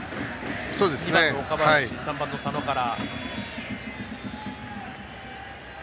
２番の岡林、３番の佐野から。